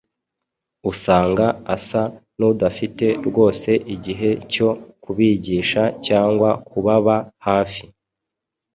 Usanga asa n’udafite rwose igihe cyo kubigisha cyangwa kubaba hafi.